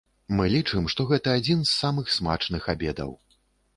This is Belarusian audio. Мы лічым, што гэта адзін з самых смачных абедаў.